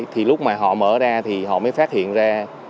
thì lúc mà họ mở ra thì họ mới phát hiện ra